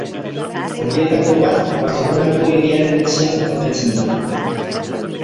Horietako bat Bartzelonako Hiriaren Etxean gordetzen da.